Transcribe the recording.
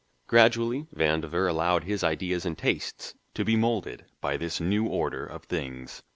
Gradually Vandover allowed his ideas and tastes to be moulded by this new order of things.